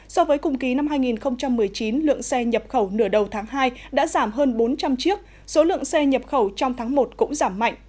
so với cùng kỳ năm hai nghìn một mươi chín lượng xe nhập khẩu nửa đầu tháng hai đã giảm hơn bốn trăm linh chiếc số lượng xe nhập khẩu trong tháng một cũng giảm mạnh